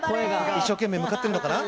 一生懸命向かってるのかな。